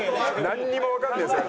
なんにもわかんないですよ